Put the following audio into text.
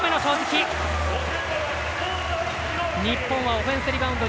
オフェンスリバウンド！